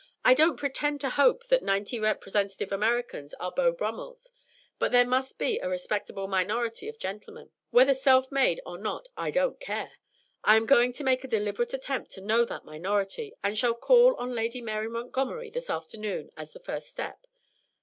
I don't pretend to hope that ninety representative Americans are Beau Brummels, but there must be a respectable minority of gentlemen whether self made or not I don't care. I am going to make a deliberate attempt to know that minority, and shall call on Lady Mary Montgomery this afternoon as the first step.